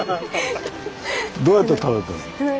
どうやって食べてるの？